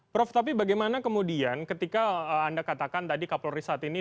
prof tapi bagaimana kemudian ketika anda katakan tadi kapolri saat ini